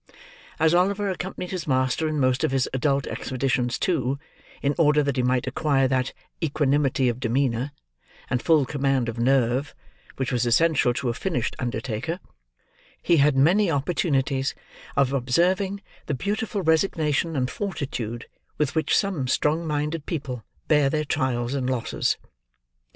As Oliver accompanied his master in most of his adult expeditions too, in order that he might acquire that equanimity of demeanour and full command of nerve which was essential to a finished undertaker, he had many opportunities of observing the beautiful resignation and fortitude with which some strong minded people bear their trials and losses.